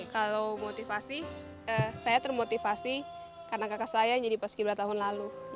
kalau motivasi saya termotivasi karena kakak saya jadi paskibra tahun lalu